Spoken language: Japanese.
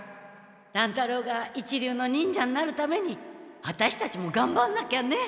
乱太郎が一流の忍者になるためにワタシたちもがんばんなきゃね。